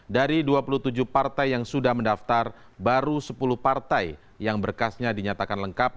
dari dua puluh tujuh partai yang sudah mendaftar baru sepuluh partai yang berkasnya dinyatakan lengkap